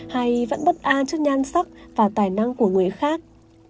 hay vẫn bất an trước nhan sắc và tài năng của người khác